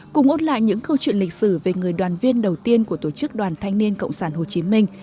cùng ôn lại những câu chuyện lịch sử về người đoàn viên đầu tiên của tổ chức đoàn thanh niên cộng sản hồ chí minh